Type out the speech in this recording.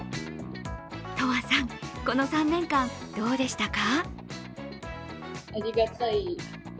透羽さん、この３年間、どうでしたか？